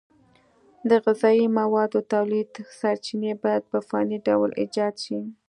د غذایي موادو تولید سرچینې باید په فني ډول ایجاد شي.